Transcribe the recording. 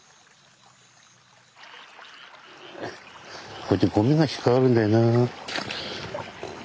こうやってゴミが引っ掛かるんだよな。